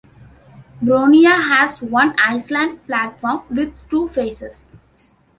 Boronia has one island platform with two faces.